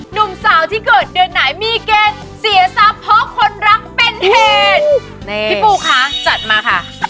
หนุ่มสาวที่เกิดเดือนไหนมีเกณฑ์เสียทรัพย์เพราะคนรักเป็นเหตุพี่ปูคะจัดมาค่ะ